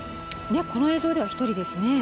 この映像では１人ですね。